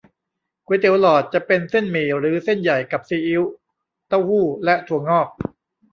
ก๋วยเตี๋ยวหลอด จะเป็นเส้นหมี่หรือเส้นใหญ่ กับซีอิ๊ว เต้าหู้ และถั่วงอก